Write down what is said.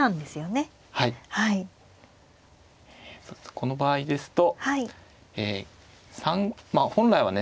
この場合ですと本来はね